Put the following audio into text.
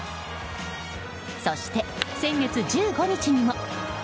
そして先月１５日にも。